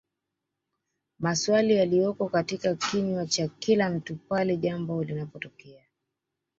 Masawli yaliyoko katika kinywa cha kila mtu pale jambo linapotokea